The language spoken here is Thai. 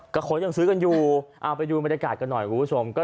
ก็คนยังซื้อกันอยู่เอาไปดูบรรยากาศกันหน่อยคุณผู้ชม